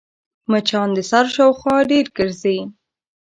مچان د سر شاوخوا ډېر ګرځي